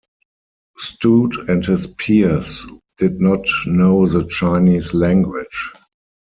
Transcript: Stout and his peers did not know the Chinese language.